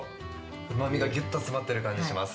うま味がギュッと詰まっている感じがします。